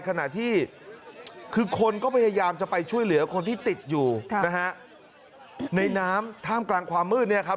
ขณะที่คือคนก็พยายามจะไปช่วยเหลือคนที่ติดอยู่นะฮะในน้ำท่ามกลางความมืดเนี่ยครับ